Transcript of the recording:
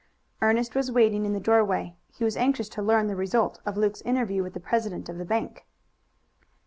Ernest was waiting in the doorway. He was anxious to learn the result of Luke's interview with the president of the bank.